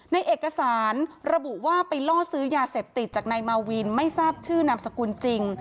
ในเอกสารระบุว่าไปล่อซื้อยาเสพติดจากนายมาวินไม่ทราบชื่อนามสกุลจริง